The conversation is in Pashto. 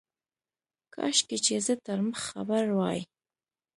کاشکي چي زه تر مخ خبر وای.